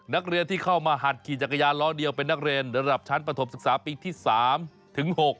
นักเรียนที่เข้ามาหัดขี่จักรยานล้อเดียวเป็นนักเรียนระดับชั้นประถมศึกษาปีที่๓ถึง๖